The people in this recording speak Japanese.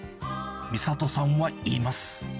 美里さんは言います。